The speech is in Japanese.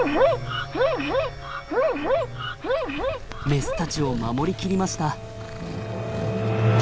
メスたちを守り切りました。